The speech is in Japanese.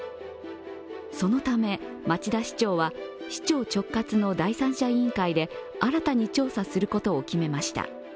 そのため町田市長は市長直轄の第三者委員会で新たに調査することを決めました。